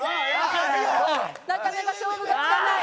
なかなか勝負がつかない。